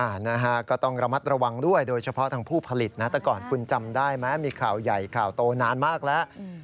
นะฮะก็ต้องระมัดระวังด้วยโดยเฉพาะทางผู้ผลิตนะแต่ก่อนคุณจำได้ไหมมีข่าวใหญ่ข่าวโตนานมากแล้ว